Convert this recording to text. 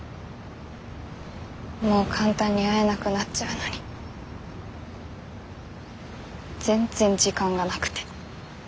もう簡単に会えなくなっちゃうのに全然時間がなくて。